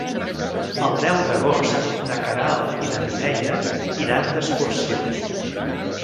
El deu d'agost na Queralt i na Mireia iran d'excursió.